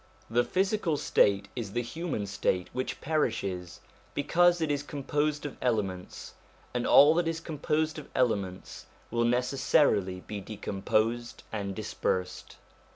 The physical state is the human state which perishes, because it is composed of elements; and all that is composed of elements will necessarily be decomposed and dispersed.